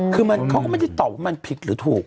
คือเขาก็ไม่ได้ตอบว่ามันผิดหรือถูก